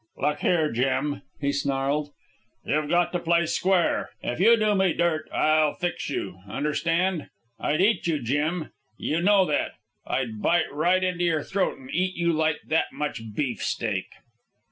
"Look here, Jim," he snarled. "You've got to play square. If you do me dirt, I'll fix you. Understand? I'd eat you, Jim. You know that. I'd bite right into your throat an' eat you like that much beefsteak."